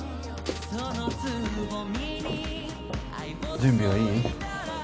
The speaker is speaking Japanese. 準備はいい？